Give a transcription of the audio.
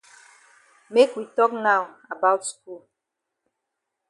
Make we tok now about skul.